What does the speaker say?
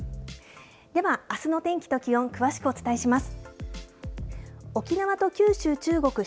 ではあすの天気と気温詳しくお伝えします。